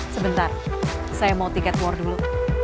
sebentar saya mau tiket war dulu